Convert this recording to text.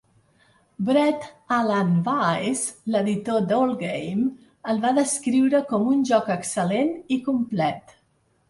Brett Alan Weiss, l'editor d'"Allgame", el va descriure com "un joc excel·lent i complet".